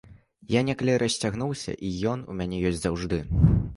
Я некалі расцягнуўся, і ён у мяне ёсць заўжды.